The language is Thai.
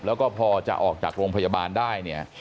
แล้วก็พอจะออกจากโรงพยาบาลได้เนี่ย